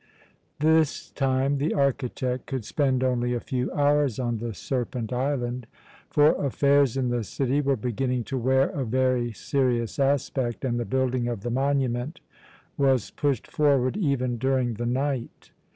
This time the architect could spend only a few hours on the Serpent Island, for affairs in the city were beginning to wear a very serious aspect, and the building of the monument was pushed forward even during the night.